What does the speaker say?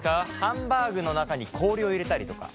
ハンバーグの中に氷を入れたりとか。